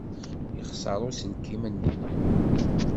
Yexṣer uselkim-nni.